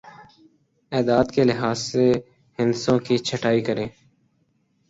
اعداد کے لحاظ سے ہندسوں کی چھٹائی کریں